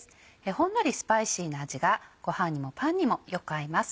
ほんのりスパイシーな味がご飯にもパンにもよく合います。